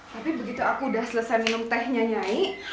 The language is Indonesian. tapi begitu aku udah selesai minum tehnya nyanyi